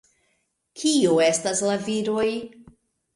Kiu estas la viroj?